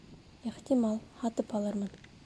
Ихтимал,... һатып алырмын